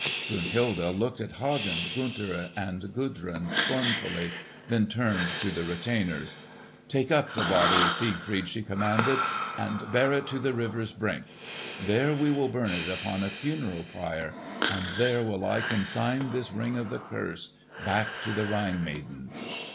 Brunhilde looked at Hagen, Gunther, and Gudrun scornfully; then turned to the retainers. "Take up the body of Siegfried," she commanded, "and bear it to the river's brink. There we will burn it upon a funeral pyre, and there will I consign this Ring of the curse back to the Rhine maidens."